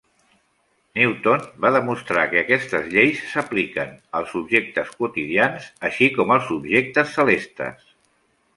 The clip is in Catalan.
Newton va demostrar que aquestes lleis s'apliquen als objectes quotidians, així com als objectes celestes.